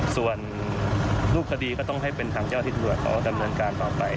ส่วนรูปคดีก็ต้องให้เป็นทางเจ้าที่ตำรวจเขาดำเนินการต่อไป